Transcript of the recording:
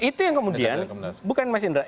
itu yang kemudian bukan mas indra